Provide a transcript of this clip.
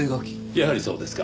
やはりそうですか。